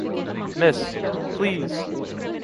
Mrs!... Please!...